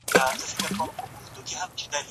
ماشومې هڅې د زده کړې لپاره اړینې دي.